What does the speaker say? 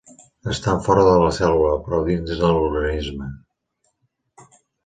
Estan fora de la cèl·lula però dins de l'organisme.